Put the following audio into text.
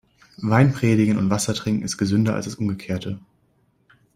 Wein predigen und Wasser trinken ist gesünder als das Umgekehrte.